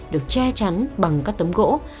được che chắn bằng các tấm gỗ